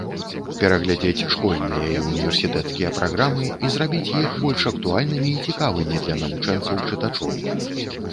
Пераглядзець школьныя і універсітэцкія праграмы і зрабіць іх больш актуальнымі і цікавымі для навучэнцаў-чытачоў.